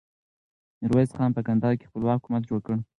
ميرويس خان په کندهار کې خپلواک حکومت جوړ کړ.